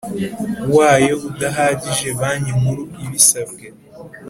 wayo udahagije Banki Nkuru ibisabwe